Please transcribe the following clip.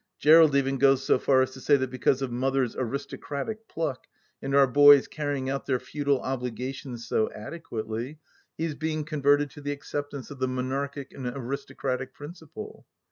... Gerald even goes so far as to say that because of Mother's aristocratic pluck and our boys' carrying out their feudal obligations so adequately, he is being converted to the acceptance of the monarchic and aristocratic principle.